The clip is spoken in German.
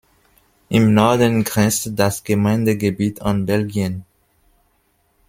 Im Norden grenzt das Gemeindegebiet an Belgien.